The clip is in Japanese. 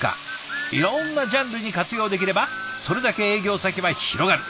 いろんなジャンルに活用できればそれだけ営業先は広がる。